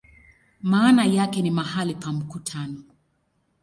Maana yake ni "mahali pa mkutano".